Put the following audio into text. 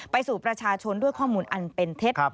ไปสู่ประชาชนด้วยข้อมูลอันเป็นเท็จ